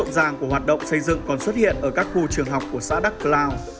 âm thanh rộn ràng của hoạt động xây dựng còn xuất hiện ở các khu trường học của xã đắk plao